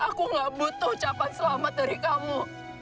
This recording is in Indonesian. aku gak butuh ucapan selamat dari kamu